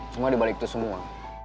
cuma dibalik itu semua